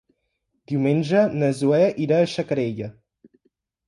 Diumenge na Zoè irà a Xacarella.